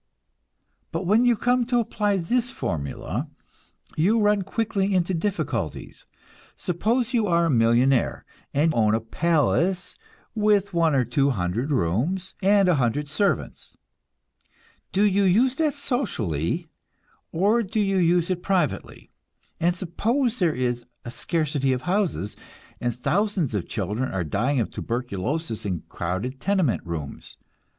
But when you come to apply this formula, you run quickly into difficulties. Suppose you are a millionaire, and own a palace with one or two hundred rooms, and a hundred servants. Do you use that socially, or do you use it privately? And suppose there is a scarcity of houses, and thousands of children are dying of tuberculosis in crowded tenement rooms?